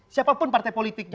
siapapun partai politiknya